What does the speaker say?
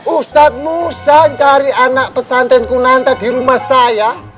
ustadz musa cari anak pesanten kunanta di rumah saya